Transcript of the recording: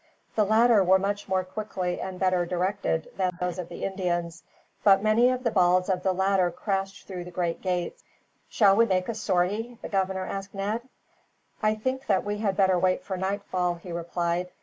The latter were much more quickly and better directed than those of the Indians, but many of the balls of the latter crashed through the great gates. "Shall we make a sortie?" the governor asked Ned. "I think that we had better wait for nightfall," he replied.